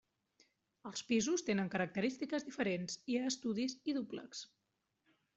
Els pisos tenen característiques diferents: hi ha estudis i dúplex.